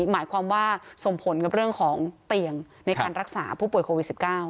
หมายความว่าส่งผลกับเรื่องของเตียงในการรักษาผู้ป่วยโควิด๑๙